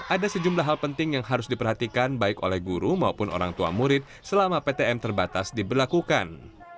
ada sejumlah hal penting yang harus diperhatikan baik oleh guru maupun orang tua murid selama ptm terbatas diberlakukan